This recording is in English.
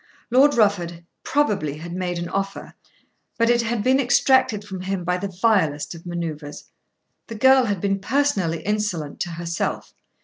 Lord Rufford probably had made an offer, but it had been extracted from him by the vilest of manoeuvres. The girl had been personally insolent to herself.